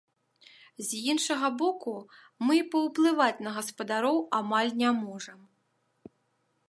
З іншага боку, мы і паўплываць на гаспадароў амаль не можам.